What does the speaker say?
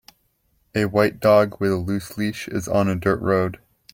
A white dog with a loose leash is on a dirt road